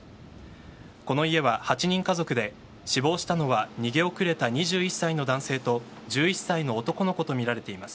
この家は８人家族で死亡したのは逃げ遅れた２１歳の男性と１１歳の男の子とみられています。